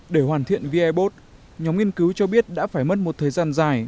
để hoàn thiện vi bot nhóm nghiên cứu cho biết đã phải mất một thời gian dài